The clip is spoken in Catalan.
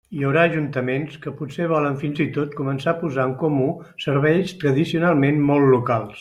Hi haurà ajuntaments que potser volen fins i tot començar a posar en comú serveis tradicionalment molt locals.